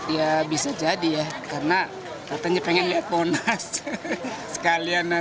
ya bisa jadi ya karena katanya pengen lihat monas sekalian